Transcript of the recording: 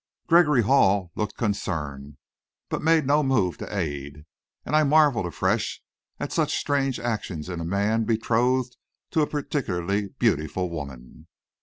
Gregory Hall looked concerned, but made no movement to aid, and I marvelled afresh at such strange actions in a man betrothed to a particularly beautiful woman.